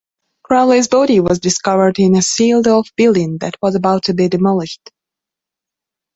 Crowley's body was discovered in a sealed-off building that was about to be demolished.